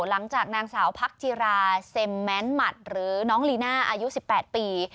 หลังจากนางสาวพักจิราเซมแม้นหมัดหรือน้องลีน่าอายุ๑๘ปี